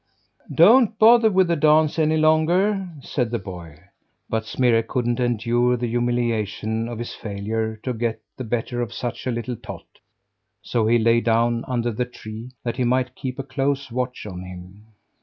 "Don't bother with the dance any longer!" said the boy. But Smirre couldn't endure the humiliation of his failure to get the better of such a little tot, so he lay down under the tree, that he might keep a close watch on him.